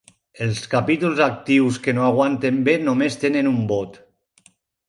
Els capítols actius que no aguanten bé només tenen un vot.